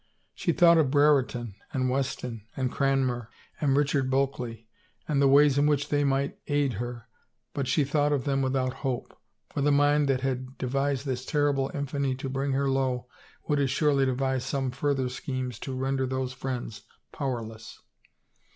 She thought of Brereton and Weston and Cranmer and Richard Bulkley and the ways in which they might aid her but she thought of them without hope, for the mind that had devised this terrible infamy to bring her low would as surely devise some further schemes to render those friends powerless.